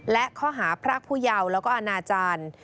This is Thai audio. และข้อหาพระพุยาวและอนาจารย์